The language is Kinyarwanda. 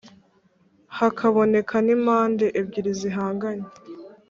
hakaboneka n’impande ebyiri zihangaye